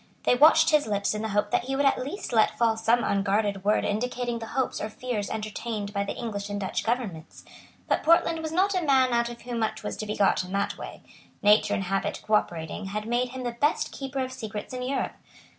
They watched his lips in the hope that he would at least let fall some unguarded word indicating the hopes or fears entertained by the English and Dutch Governments. But Portland was not a man out of whom much was to be got in that way. Nature and habit cooperating had made him the best keeper of secrets in Europe.